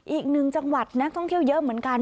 อีกหนึ่งจังหวัดนักท่องเที่ยวเยอะเหมือนกัน